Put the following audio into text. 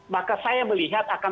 maka saya melihat akan